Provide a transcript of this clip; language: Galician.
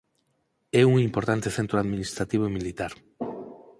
É un importante centro administrativo e militar.